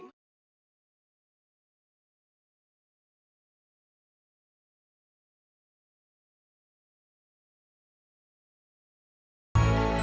ma mama mama jangan dong